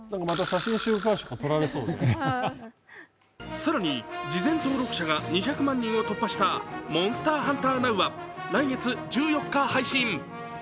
更に事前登録者が２００万人を突破した「モンスターハンターＮｏｗ」は来月１４日配信。